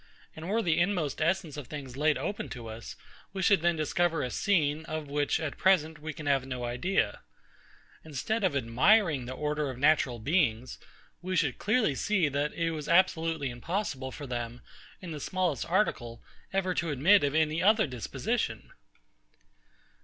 And were the inmost essence of things laid open to us, we should then discover a scene, of which, at present, we can have no idea. Instead of admiring the order of natural beings, we should clearly see that it was absolutely impossible for them, in the smallest article, ever to admit of any other disposition.